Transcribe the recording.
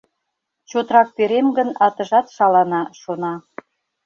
Чотрак перем гын, атыжат шалана, шона.